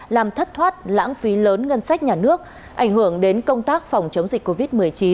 làm thất thoát lãng phí lớn ngân sách nhà nước ảnh hưởng đến công tác phòng chống dịch covid một mươi chín